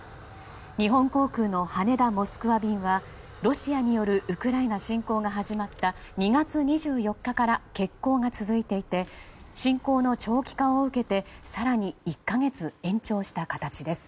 日本航空の羽田モスクワ便はロシアによるウクライナ侵攻が始まった２月２４日から欠航が続いていて侵攻の長期化を受けて更に１か月延長した形です。